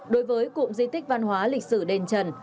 đối với cụm di tích văn hóa lịch sử đền trần